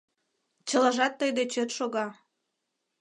— Чылажат тый дечет шога.